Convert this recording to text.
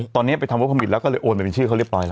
ตอนนี้ไปทำวัคพอมิตละก็เลยโอนไปเป็นชื่อเขาเรียบร้อยล่ะ